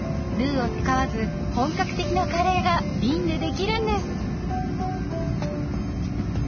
ルウを使わず本格的なカレーがびんでできるんです！